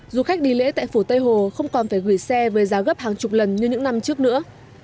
du khách đi lễ tại phủ tây hồ không còn phải gửi xe với giá gấp hàng chục lần như những năm trước nữa